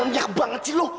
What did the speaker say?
lu banyak banget sih lo